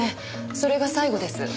それが最後です。